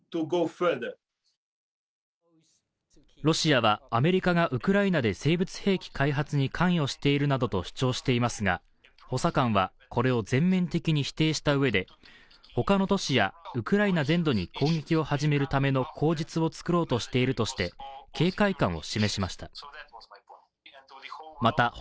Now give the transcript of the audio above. ロシアは、アメリカがウクライナで生物兵器開発に関与しているなどと主張していますが、補佐官はこれを全面的に否定したうえで他の都市やウクライナ全土に攻撃を始めるための口実を作ろうとしているとして、警戒感を示しました。